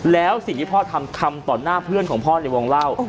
แล้วสิ่งที่พ่อทำทำต่อหน้าเพื่อนของพ่อในวงเล่า